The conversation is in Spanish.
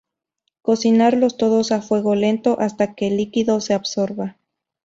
Cocinar los todos a fuego lento hasta que el líquido se absorba.